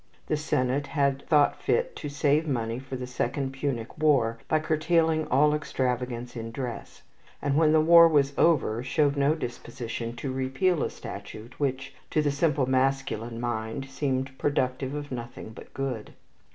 The Senate had thought fit to save money for the second Punic War by curtailing all extravagance in dress; and, when the war was over, showed no disposition to repeal a statute which to the simple masculine mind seemed productive of nothing but good.